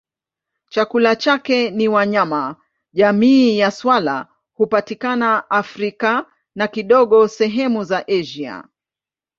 Chakula chake ni wanyama jamii ya swala hupatikana Afrika na kidogo sehemu za Asia.